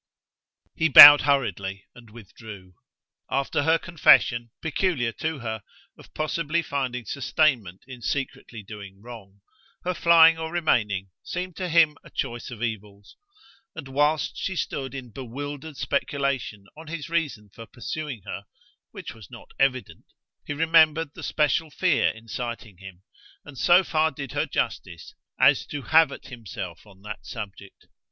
He bowed hurriedly, and withdrew. After her confession, peculiar to her, of possibly finding sustainment in secretly doing wrong, her flying or remaining seemed to him a choice of evils: and whilst she stood in bewildered speculation on his reason for pursuing her which was not evident he remembered the special fear inciting him, and so far did her justice as to have at himself on that subject.